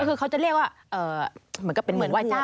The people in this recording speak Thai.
คือเขาจะเรียกว่าเหมือนกับเป็นเหมือนไหว้เจ้า